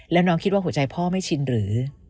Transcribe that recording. แล้วน้องคิดว่าหัวใจพ่อไม่ชินหรือ